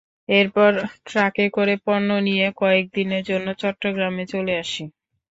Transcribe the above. এরপর ট্রাকে করে পণ্য নিয়ে কয়েক দিনের জন্য চট্টগ্রামে চলে আসি।